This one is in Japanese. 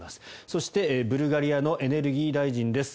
そして、ブルガリアのエネルギー大臣です。